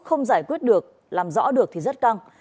không giải quyết được làm rõ được thì rất căng